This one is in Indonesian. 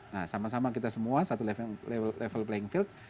nah sama sama kita semua satu level playing field